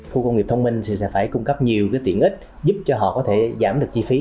khu công nghiệp thông minh sẽ phải cung cấp nhiều tiện ích giúp cho họ có thể giảm được chi phí